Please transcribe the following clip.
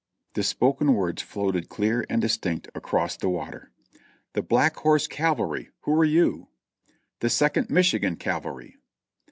The spoken words floated clear and distinct across the water, "The Black Horse Cavalry. Who are you ?" "The Second Michigan Cavalry."